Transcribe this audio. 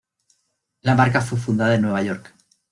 La marca fue fundada en Nueva York.